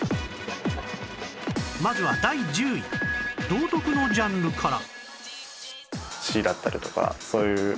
まずは第１０位道徳のジャンルから